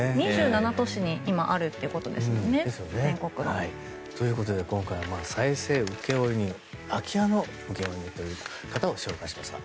２７都市に今、あるということですね。ということで今回は再生請負人空き家の請負人という方を紹介しました。